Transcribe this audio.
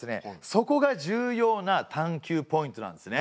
そこが重要な探究ポイントなんですね。